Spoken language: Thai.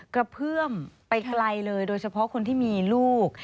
กระเพื่อมไปไกลเลยโดยเฉพาะคนที่มีลูก